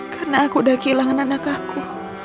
karena aku udah kehilangan anak aku